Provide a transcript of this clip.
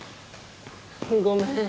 ごめん。